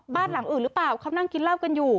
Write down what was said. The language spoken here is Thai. บ้านหลังอื่นหรือเปล่าเขานั่งกินเหล้ากันอยู่